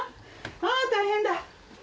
ああ大変だ！